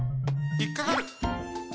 ひっかかる！